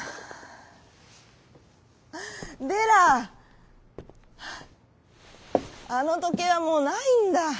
「デラあのとけいはもうないんだ」。